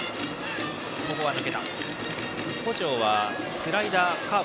小城はスライダー、カーブ